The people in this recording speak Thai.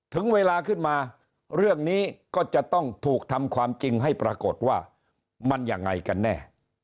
ถึงเวลาขึ้นมาเรื่องนี้ก็จะต้องถูกทำความจริงให้ปรากฏว่ามันยังไงกันแน่